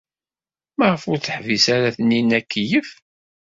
Maɣef ur teḥbis ara Taninna akeyyef?